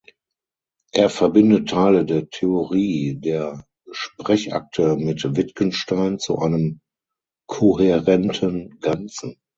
Er verbindet Teile der Theorie der Sprechakte mit Wittgenstein zu einem kohärenten Ganzen.